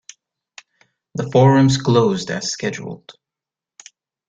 The forums closed as scheduled.